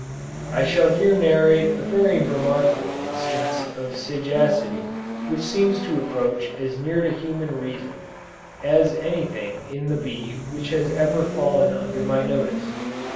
_ I shall here narrate a very remarkable instance of sagacity which seems to approach as near to human reason, as any thing in the bee which has ever fallen under my notice.